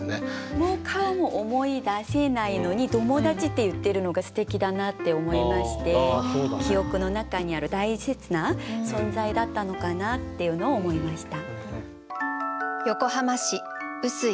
「もう顔も思い出せない」のに「友達」って言ってるのがすてきだなって思いまして記憶の中にある大切な存在だったのかなっていうのを思いました。